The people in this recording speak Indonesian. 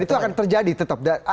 dan itu akan terjadi tetap